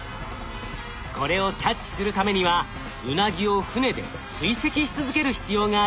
これをキャッチするためにはウナギを船で追跡し続ける必要があります。